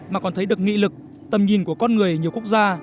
mà còn thấy được nghị lực tầm nhìn của con người ở nhiều quốc gia